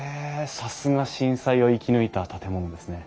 さすが震災を生き抜いた建物ですね。